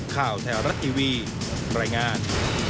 ข่าวแถวรัฐทีวีรายงาน